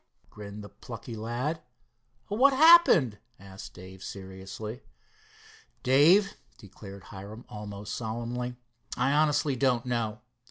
grinned the plucky lad. "What happened?" asked Dave seriously. "Dave," declared Hiram almost solemnly, "I honestly don't know.